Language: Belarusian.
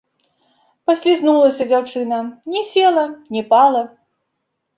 Паслізнулася дзяўчына, ні села, ні пала.